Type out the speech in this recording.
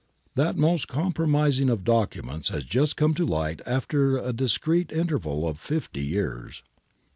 That most compromising of documents has just come to light after a discreet interval of fifty years.